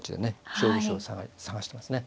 勝負手を探してますね。